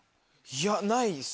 いやないです。